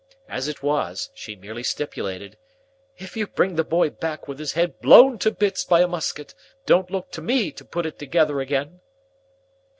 As it was, she merely stipulated, "If you bring the boy back with his head blown to bits by a musket, don't look to me to put it together again."